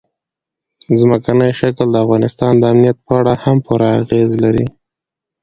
ځمکنی شکل د افغانستان د امنیت په اړه هم پوره اغېز لري.